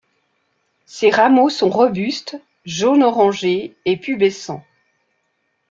Ses rameaux sont robustes, jaune-orangé et pubescents.